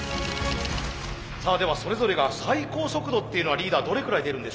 ではそれぞれが最高速度っていうのはリーダーどれくらい出るんでしょう？